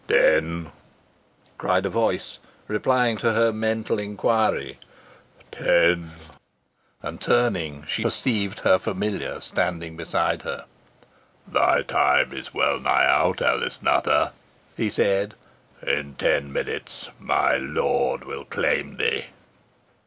"Ten!" cried a voice, replying to her mental inquiry. "Ten!" And, turning, she perceived her familiar standing beside her. "Thy time is wellnigh out, Alice Nutter," he said. "In ten minutes my lord will claim thee."